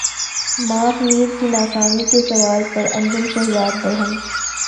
ماہ میر کی ناکامی کے سوال پر انجم شہزاد برہم